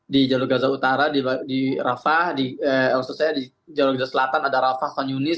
di jalur gaza utara di rafah di jalur gaza selatan ada rafah